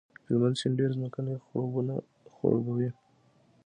هلمند سیند ډېرې ځمکې خړوبوي.